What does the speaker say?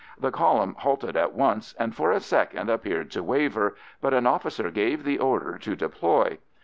The column halted at once, and for a second appeared to waver, but an officer gave the order to deploy.